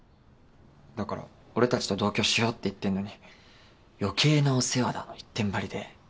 だから俺たちと同居しようって言ってんのに「余計なお世話だ」の一点張りで。